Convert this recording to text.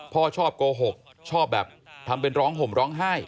พ่อชอบโกหกชอบแบบทำเป็นร้องห่มร้องไห้